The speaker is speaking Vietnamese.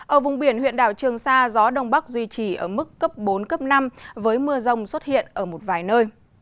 ở vùng biển huyện đảo trường sa gió đông bắc duy trì ở mức cấp bốn cấp năm với mưa rông xuất hiện ở một vài nơi